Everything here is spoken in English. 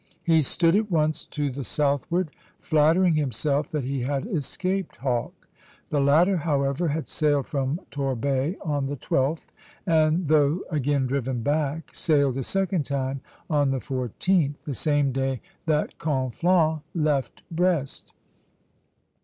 He stood at once to the southward, flattering himself that he had escaped Hawke. The latter, however, had sailed from Torbay on the 12th; and though again driven back, sailed a second time on the 14th, the same day that Conflans left Brest.